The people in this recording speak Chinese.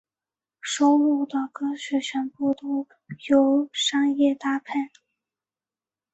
收录的歌曲全部都有商业搭配。